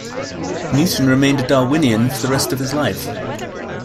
Newton remained a Darwinian for the rest of his life.